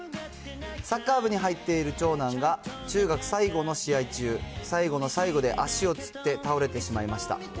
サッカー部に入っている長男が、中学最後の試合中、最後の最後で足をつって倒れてしまいました。